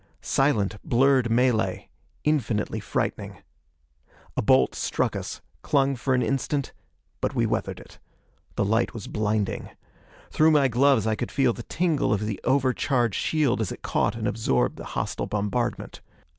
Silent, blurred melee, infinitely frightening. A bolt struck us, clung for an instant; but we weathered it. The light was blinding. Through my gloves I could feel the tingle of the over charged shield as it caught and absorbed the hostile bombardment.